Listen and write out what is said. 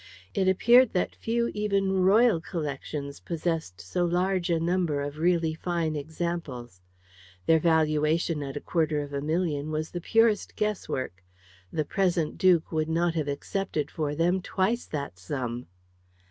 It appeared that few even royal collections possessed so large a number of really fine examples. Their valuation at a quarter of a million was the purest guesswork. The present duke would not have accepted for them twice that sum.